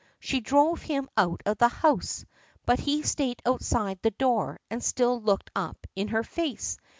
She drove him out of the house, but he stayed outside the door and still looked up in her face.